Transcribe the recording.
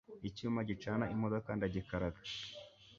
icyuma gicana imodoka ndagikaraga